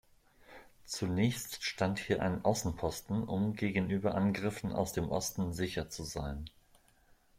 Zunächst stand hier ein Außenposten, um gegenüber Angriffen aus dem Osten sicher zu sein.